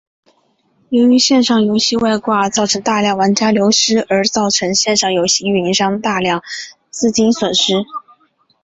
由于线上游戏外挂造成大量玩家流失而造成线上游戏营运商大量资金损失。